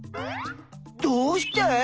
どうして？